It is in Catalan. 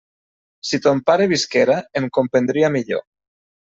Si ton pare visquera, em comprendria millor.